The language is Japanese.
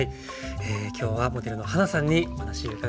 今日はモデルのはなさんにお話を伺いました。